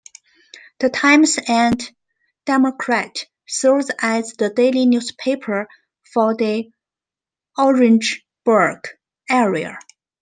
"The Times and Democrat" serves as the daily newspaper for the Orangeburg area.